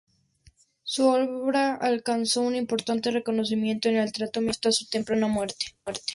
Su obra alcanzó un importante reconocimiento en el teatro mexicano hasta su temprana muerte.